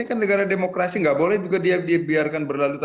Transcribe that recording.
ini kan negara demokrasi gak boleh juga dibiarkan berlalu ya kan